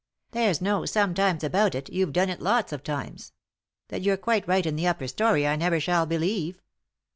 "There's no 'sometimes' about it; you've done it lots of times. That you're quite right in the upper storey I never shall believe."